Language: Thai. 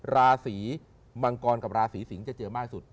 ราศีมังกรกับราศีสิงศ์จะเจอมากสุด